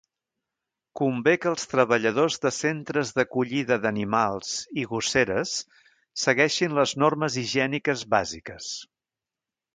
Convé que els treballadors de centres d'acollida d'animals i gosseres segueixin les normes higièniques bàsiques.